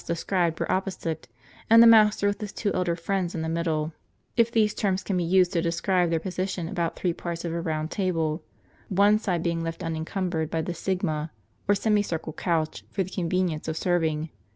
described were opposite, and the master, with his two elder friends, in the middle — if these terms can be used to describe their position about three joarts of a round table ; one side being left unencumbered by the sigma* or semi circular couch, for the convenience of serving.